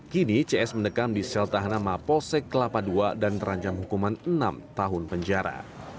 kini cs mendekam di sel tahanan maposek kelapa ii dan terancam hukuman enam tahun penjara